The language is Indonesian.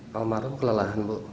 malam lalu kelelahan bu